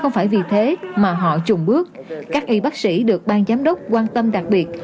không phải vì thế mà họ trùng bước các y bác sĩ được bang giám đốc quan tâm đặc biệt